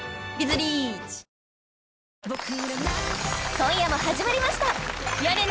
今夜も始まりました！